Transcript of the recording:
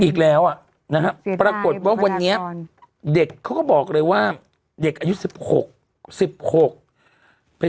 คุณคิดดูสิ